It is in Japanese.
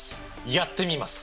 やってみます！